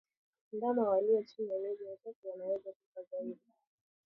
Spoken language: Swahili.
Ndama walio chini ya miezi mitatu wanaweza kufa zaidi